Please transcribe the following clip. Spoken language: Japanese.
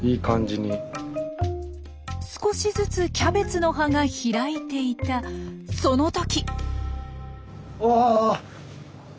少しずつキャベツの葉が開いていたその時！